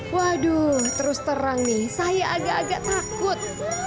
waduh terus terang nih saya agak agak takut